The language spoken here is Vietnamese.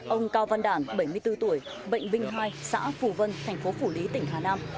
ông cao văn đản bảy mươi bốn tuổi bệnh vinh hai xã phù vân thành phố phủ lý tỉnh hà nam